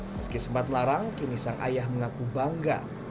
meski sempat larang kini sang ayah mengaku bangga